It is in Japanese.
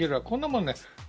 こんなもの